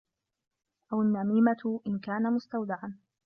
أَوْ النَّمِيمَةُ إنْ كَانَ مُسْتَوْدَعًا